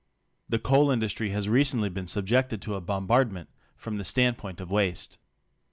The coal industry has recently been subjected to a bom bardment from the standpoint of waste.